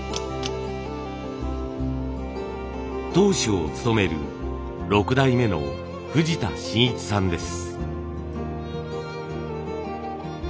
当主を務める６代目の藤田眞一さんです。